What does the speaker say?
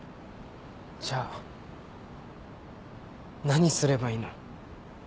じゃあ何すればいいの？